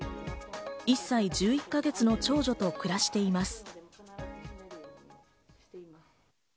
１歳１１か月の長女と暮らしています。